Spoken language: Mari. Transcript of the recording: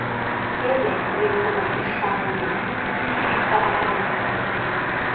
— Теве, мемнан ӱшанна, кӱ карман...